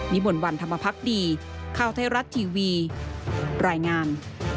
ลวันธรรมพักดีข้าวไทยรัฐทีวีรายงาน